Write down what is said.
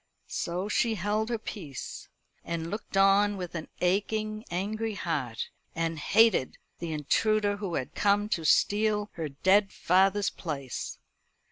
So she held her peace, and looked on with an aching angry heart, and hated the intruder who had come to steal her dead father's place.